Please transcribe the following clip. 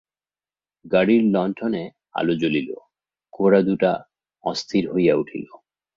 গাড়ির লণ্ঠনে আলো জ্বলিল, ঘোড়া দুটা অধীর হইয়া উঠিল।